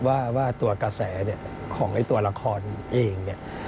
ว่าตัวกระแสของตัวละครเอง